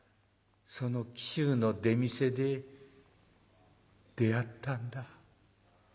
「その紀州の出店で出会ったんだ」。